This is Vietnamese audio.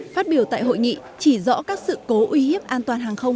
phát biểu tại hội nghị chỉ rõ các sự cố uy hiếp an toàn hàng không